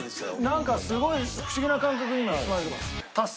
なんかすごい不思議な感覚に今包まれてます。